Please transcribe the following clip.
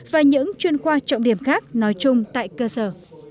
và những chuyên khoa trọng điểm khác nói chung tại cơ sở